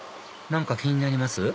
何か気になります？